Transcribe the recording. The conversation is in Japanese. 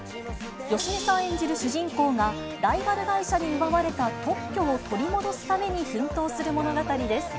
芳根さん演じる主人公が、ライバル会社に奪われた特許を取り戻すために奮闘する物語です。